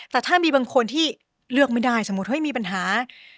แต่ถ้ามีบางคนที่เลือกไม่ได้สมมุติเฮ้ยมีปัญหา